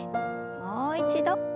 もう一度。